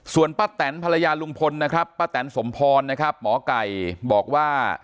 ส่วนป้าแตนภรรยาลุงพลนะครับป้าแตนสมพรนะครับหมอไก่บอกว่า